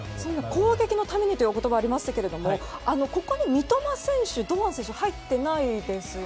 攻撃のためにというお言葉がありましたけどここに三笘選手、堂安選手入っていませんが。